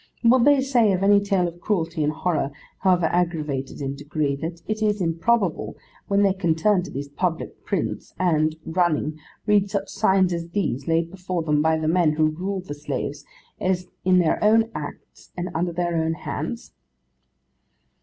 Will they say of any tale of cruelty and horror, however aggravated in degree, that it is improbable, when they can turn to the public prints, and, running, read such signs as these, laid before them by the men who rule the slaves: in their own acts and under their own hands?